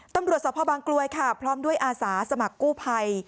ตำรวจสภบางกลวยค่ะพร้อมด้วยอาสาสมัครกู้ภัย